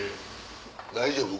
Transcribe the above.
大丈夫？